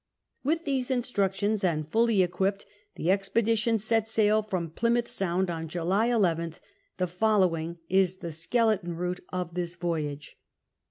With these instructions and fully equipped the ex pedition set sail from J^lymouth Sound on July 11th. The following is tlic skeleton route of this voyage.